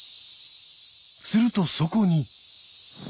するとそこに。